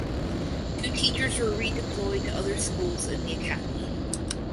Two teachers were redeployed to other schools in the academy.